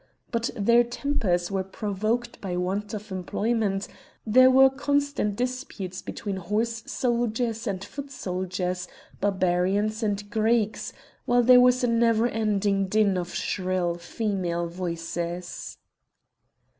But their tempers were provoked by want of employment; there were constant disputes between horse soldiers and foot soldiers, Barbarians and Greeks, while there was a never ending din of shrill female voices.